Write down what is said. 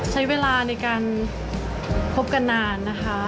ใช้เวลาในการพบกันนานนะคะ